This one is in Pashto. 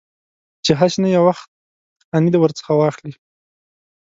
چې هسې نه یو وخت خاني ورڅخه واخلي.